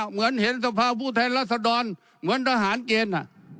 เหมือนเห็นสภาพผู้แทนรัศดรเหมือนทหารเกณฑ์